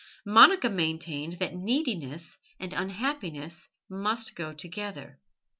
Monica maintained that neediness and unhappiness must go together.